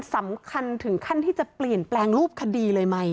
สำคัญถึงขั้นที่จะเปลี่ยนแปลงรูปคดีเลยไหม